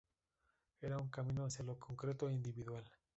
Era un camino hacia lo concreto e individual.